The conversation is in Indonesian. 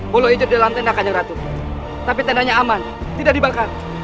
bolo hijau di dalam tenda kanjeng ratu tapi tendanya aman tidak dibangkal